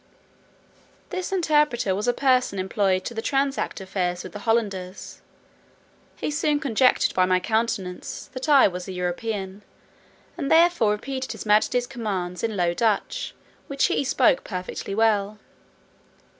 This interpreter was a person employed to transact affairs with the Hollanders. He soon conjectured, by my countenance, that I was a European, and therefore repeated his majesty's commands in Low Dutch, which he spoke perfectly well.